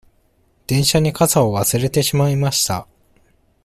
電車に傘を忘れてしまいました。